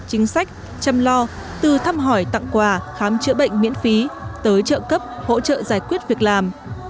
chính sách chăm lo từ thăm hỏi tặng quà khám chữa bệnh miễn phí tới trợ cấp hỗ trợ giải quyết việc làm